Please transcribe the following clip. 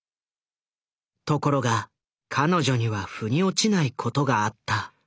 ところが彼女にはふに落ちないことがあった。